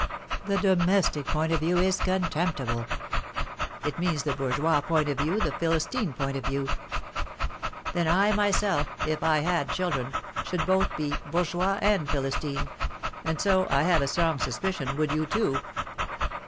"The domestic point of view is contemptible. It means the bourgeois point of view, the Philistine point of view." "Then I myself, if I had children, should be both bourgeois and Philistine. And so, I have a strong suspicion, would you too."